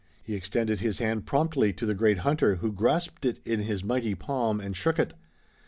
He extended his hand promptly to the great hunter who grasped it in his mighty palm and shook it.